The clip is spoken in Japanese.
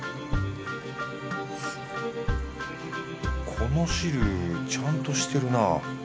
この汁ちゃんとしてるなぁ。